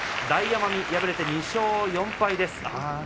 大奄美、敗れて２勝４敗です。